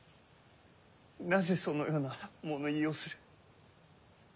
なぜそのような物言いをする？